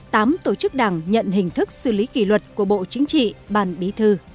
tám tổ chức đảng nhận hình thức xử lý kỷ luật của bộ chính trị ban bí thư